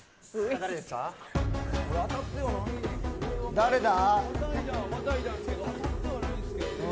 誰だ。